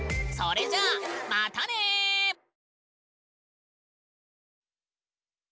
それじゃまたね！